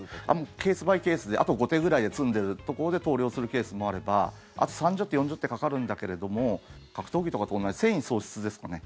ケース・バイ・ケースであと５手くらいで詰んでいるところで投了するケースもあればあと３０手、４０手かかるんだけれども格闘技とかと同じ戦意喪失ですかね。